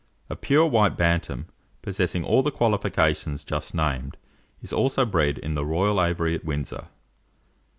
A pure white Bantam, possessing all the qualifications just named, is also bred in the royal aviary at Windsor.